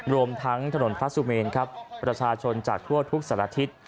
รวมทั้งถนนพระสุเมนครับประชาชนจากทั่วทุกสารทิศ